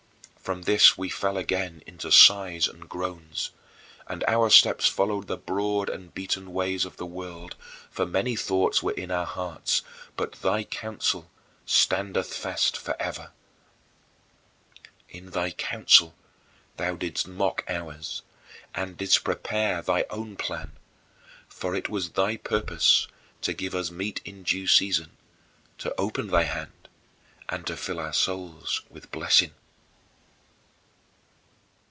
From this we fell again into sighs and groans, and our steps followed the broad and beaten ways of the world; for many thoughts were in our hearts, but "Thy counsel standeth fast forever." In thy counsel thou didst mock ours, and didst prepare thy own plan, for it was thy purpose "to give us meat in due season, to open thy hand, and to fill our souls with blessing."